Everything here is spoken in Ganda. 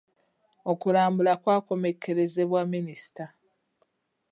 Okulambula kwakomekkerezebwa minisita.